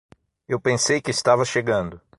Eu pensei que estava chegando.